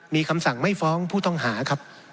มีคำสั่งไม่ฟ้องผู้ต้องหาครับ